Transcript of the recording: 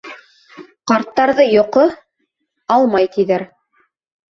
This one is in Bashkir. Ҡарттарҙы йоҡо, алмай тиҙәр.